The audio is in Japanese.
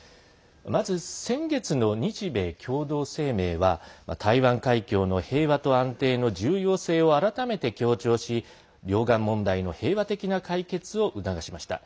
まず、先月の日米共同声明は台湾海峡の平和と安定の重要性を改めて強調し両岸問題の平和的な解決を促しました。